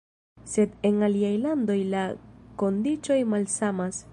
Sed en aliaj landoj la kondiĉoj malsamas.